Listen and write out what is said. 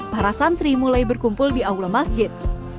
para santri mulai berkumpul di aula masjid